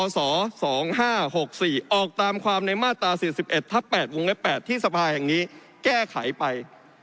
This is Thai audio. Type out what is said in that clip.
๒๕๖๔ออกตามความในมาตรา๔๑ทับ๘วงเล็บ๘ที่สภาแห่งนี้แก้ไขไป